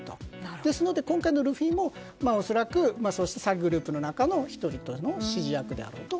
ですので今回のルフィも恐らくそうした詐欺グループの中の１人の指示役だと。